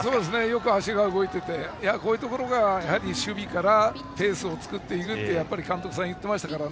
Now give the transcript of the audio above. よく足が動いていてこういうところが守備からリズムを作っていくという監督さんが言ってましたから。